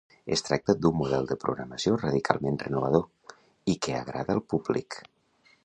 Es tracta d'un model de programació radicalment renovador i que agrada al públic.